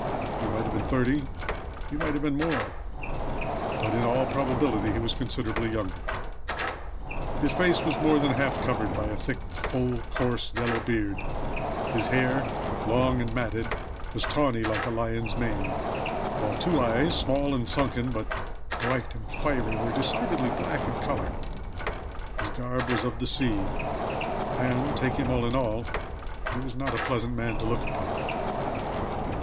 He might have been thirty, he might have been more; but, in all probability he was considerably younger. His face was more than half covered by a full, thick, coarse, yellow beard; his hair, long and matted, was tawny, like a lion's mane; while two eyes, small and sunken but bright and fiery, were decidedly black in color. His garb was of the sea, and, take him all in all, he was not a pleasant man to look upon.